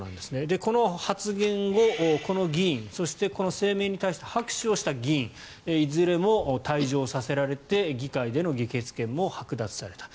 この発言後、この議員そしてこの声明に対して拍手をした議員いずれも退場させられて議会での議決権もはく奪された。